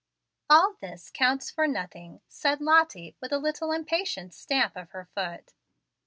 '" "All this counts for nothing," said Lottie, with a little impatient stamp of her foot.